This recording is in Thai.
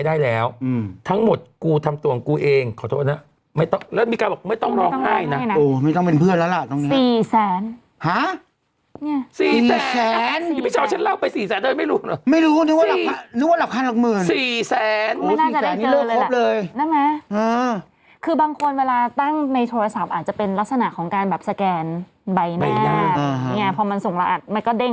ในถุงแดงเมื่อกี้คุณป้าเอามะระมาให้อยู่ไหน